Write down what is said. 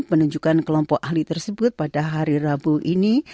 penunjukan kelompok ahli tersebut pada hari rabu ini